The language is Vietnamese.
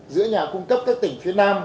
giữa nhà cung cấp các tỉnh phía nam